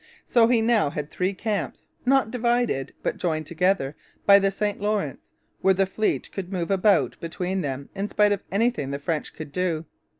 So he now had three camps, not divided, but joined together, by the St Lawrence, where the fleet could move about between them in spite of anything the French could do.